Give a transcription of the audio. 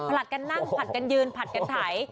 ผลัดกันนั่งผัดกันยืนผัดกันไถ